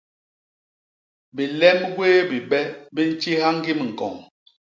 Bilem gwéé bibe bi ntjiha ñgim ñkoñ.